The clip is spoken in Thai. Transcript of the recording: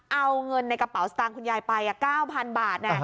เอาเงินในกระเป๋าสตางค์คุณยายไป๙๐๐บาท